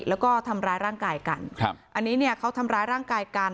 แล้วก็ทำร้ายร่างกายกันครับอันนี้เนี่ยเขาทำร้ายร่างกายกัน